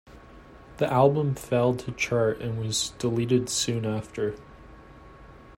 The album failed to chart and was deleted soon after.